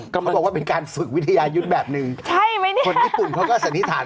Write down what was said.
ก็เขาบอกว่าเป็นการฝึกวิทยายุทธ์แบบหนึ่งใช่ไหมเนี่ยคนญี่ปุ่นเขาก็สันนิษฐาน